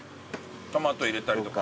トマト入れたりとか。